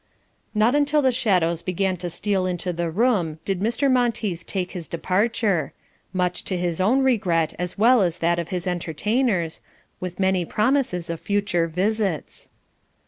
Not until the shadows began to steal into the room did Mr. Monteith take his departure, much to his own regret as well as that of his entertainers, with many promises of future visits.